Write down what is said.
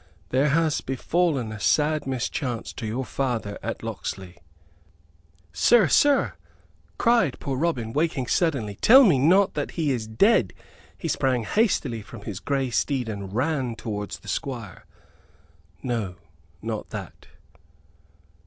There has befallen a sad mischance to your father at Locksley " "Sir, sir," cried poor Robin, waking suddenly, "tell me not that he is dead!" He sprang hastily from his grey steed and ran towards the Squire. "No, not that."